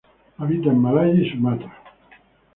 Habita en Malaya y Sumatra.